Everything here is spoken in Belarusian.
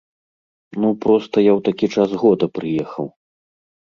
Ну, проста я ў такі час года прыехаў.